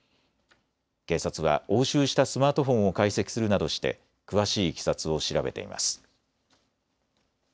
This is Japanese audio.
警察は押収したスマートフォンを解析するなどして詳しいいきさつを調べています。